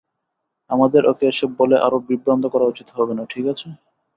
আমাদের ওকে এসব বলে আরও বিভ্রান্ত করা উচিত হবে না, ঠিক আছে?